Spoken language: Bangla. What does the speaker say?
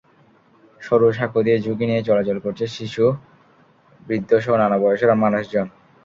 সরু সাঁকো দিয়ে ঝুঁকি নিয়ে চলাচল করছে শিশু, বৃদ্ধসহ নানা বয়সের মানুষজন।